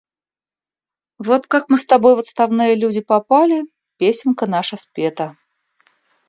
Вот как мы с тобой в отставные люди попали, песенка наша спета.